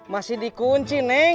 masih di kunci neng